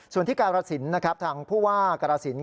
ส่วนที่การสินนะครับทางผู้ว่ากรสิน